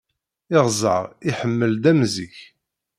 Iɣẓer iḥemmel-d am zik.